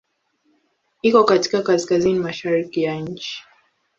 Iko katika kaskazini-mashariki ya nchi.